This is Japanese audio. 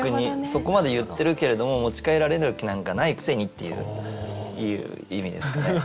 そこまで言ってるけれども持ち帰られる気なんかないくせにっていう意味ですかね。